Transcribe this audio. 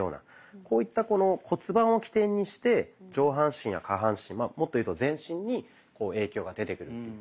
こういった骨盤を起点にして上半身や下半身もっというと全身に影響が出てくるっていう。